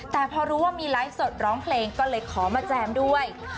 แต่พอรู้ว่ามีไลฟ์สดร้องเพลงก็เลยขอมาแจมด้วย